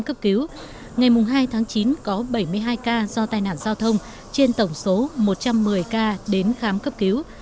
cấp cứu ngày hai tháng chín có bảy mươi hai ca do tai nạn giao thông trên tổng số một trăm một mươi ca đến khám cấp cứu